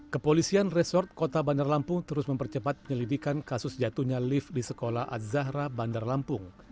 kepolisian resort kota bandar lampung terus mempercepat penyelidikan kasus jatuhnya lift di sekolah adzahra bandar lampung